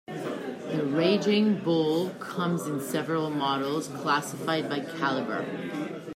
The Raging Bull comes in several models, classified by caliber.